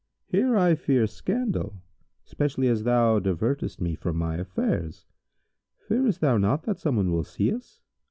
Here I fear scandal, especially as thou divertest me from my affairs. Fearest thou not that someone will see us?"